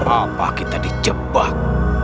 apa kita dijebak